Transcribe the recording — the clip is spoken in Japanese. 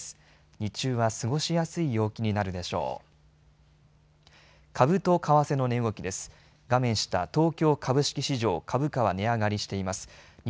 日中は過ごしやすい陽気になるでしょう。